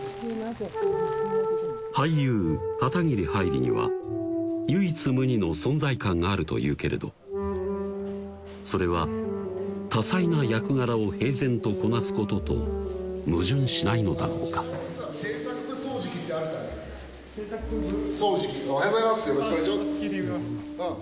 俳優・片桐はいりには唯一無二の存在感があると言うけれどそれは多彩な役柄を平然とこなすことと矛盾しないのだろうかおはようございますよろしくお願いします